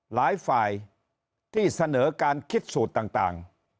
หลายฝ่ายที่เสนอการคิดสูตรต่าง